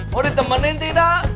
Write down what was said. mau ditemenin tidak